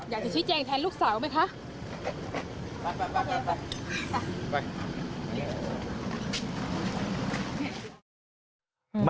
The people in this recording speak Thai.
อยากจะชี้แจงแทนลูกสาวไหมคะ